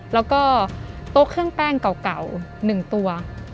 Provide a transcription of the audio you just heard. แล้วก็โต๊ะเครื่องแป้งเก่า๑ตัว